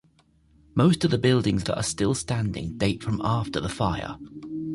Most of the buildings that are still standing date from after the fire.